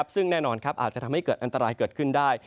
ซึ่งแน่นอนอาจจะทำให้เกิดอันตรายเกิดขึ้นได้